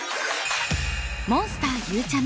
モンスターゆうちゃみ